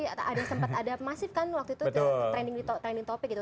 ada yang sempat ada masih kan waktu itu training topik itu